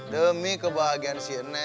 demi kebahagiaan si eneng tahu